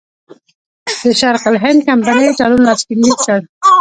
د شرق الهند کمپنۍ تړون لاسلیک کړ.